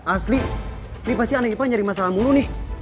asli ini pasti aneh ipa nyari masalah mulu nih